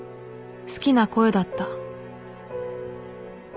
好きな声だった